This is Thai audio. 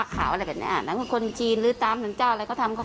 แก้เค็ดนี้แก้เค็ดอะไร